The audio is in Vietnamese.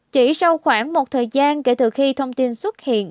chỉ sau khoảng một thời gian kể từ khi thông tin xuất hiện